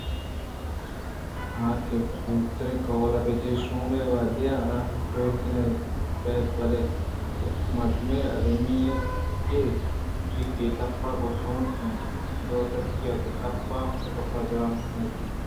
تا ں کہ چتوریں کہول چہ اے شومیں وہد ءِ زوراکیاں در بیت بلئے یکیں مردم ایمیلیا اَت کہ گوٛشئے آئی ءِ دپ گوں سوچن ءَ دوتکگ آئی ءِ دپ ءَ گپے درنیاتک اَنت